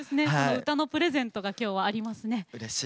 歌のプレゼントが今日はありますね。